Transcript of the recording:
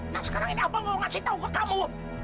nah sekarang ini abang mau ngasih tau ke kamu